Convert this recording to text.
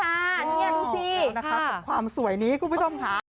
แล้วนะคะความสวยนี้ก็ไม่ต้องหา